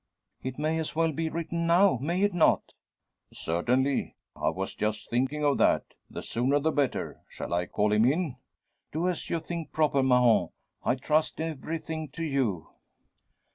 "It may as well be written now may it not?" "Certainly; I was just thinking of that. The sooner the better. Shall I call him in?" "Do as you think proper, Mahon. I trust everything to you."